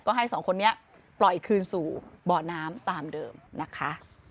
ก็ให้สองคนนี้ปล่อยคืนสู่เบาะน้ำตามเดิมนะคะ